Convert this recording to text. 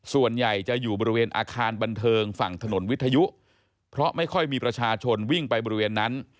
ส่วนใหญ่จะอยู่บริเวณอาคารบันเทิงฝั่งถนนวิทยุเพราะไม่ค่อยมีประชาชนวิ่งไปบริเวณนั้น